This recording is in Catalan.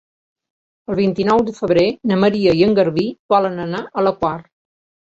El vint-i-nou de febrer na Maria i en Garbí volen anar a la Quar.